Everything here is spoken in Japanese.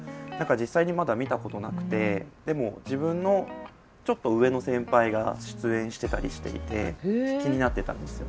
実際にまだ見たことなくてでも自分のちょっと上の先輩が出演していたりしていて気になってたんですよ。